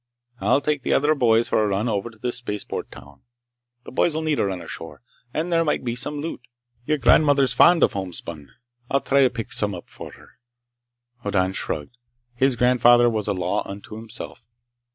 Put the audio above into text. I'll take the other boys for a run over to this spaceport town. The boys need a run ashore, and there might be some loot. Your grandmother's fond of homespun. I'll try to pick some up for her." Hoddan shrugged. His grandfather was a law unto himself.